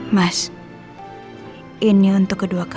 mas ini untuk kedua kami